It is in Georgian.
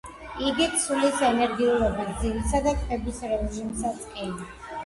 იგი ცვლის ენერგიულობას, ძილისა და კვების რეჟიმსაც კი.